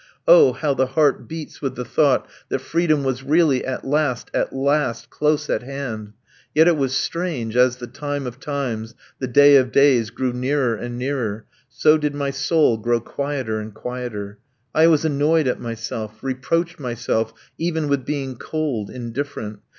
Oh, how the heart beats with the thought that freedom was really, at last, at last, close at hand. Yet it was strange, as the time of times, the day of days, grew nearer and nearer, so did my soul grow quieter and quieter. I was annoyed at myself, reproached myself even with being cold, indifferent.